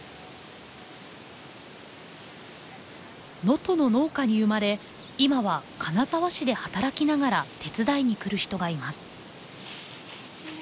能登の農家に生まれ今は金沢市で働きながら手伝いに来る人がいます。